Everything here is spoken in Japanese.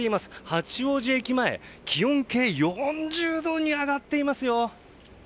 八王子駅前、気温計４０度に上がっていますよ。